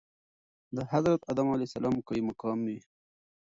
دحضرت ادم عليه السلام قايم مقام وي .